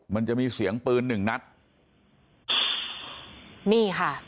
มันจะมีเสียงปืนหนึ่งนัดนี่ค่ะ